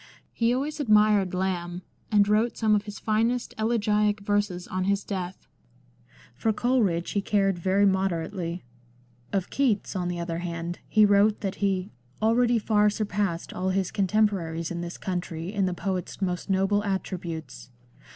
He always admired Lamb, and wrote some of his finest elegiac verses on his death. For Coleridge he cared very moder ately. Of Keats, on the other hand, he wrote that he " already far surpassed all his contemporaries in this country in the poet's most noble attributes."